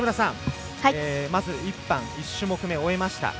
まず１班、１種目めを終えました。